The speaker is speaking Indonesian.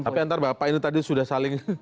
tapi antar bapak ini tadi sudah saling